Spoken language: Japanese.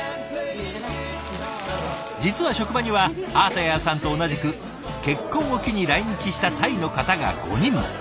実は職場にはアータヤーさんと同じく結婚を機に来日したタイの方が５人も。